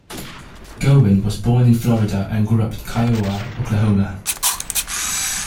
Gowen was born in Florida, and grew up in Kiowa, Oklahoma.